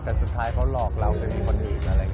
แต่สุดท้ายเขาหลอกเราไปมีคนอื่นอะไรอย่างนี้